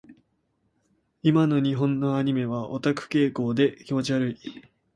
今の日本のアニメはオタク傾向で気持ち悪い。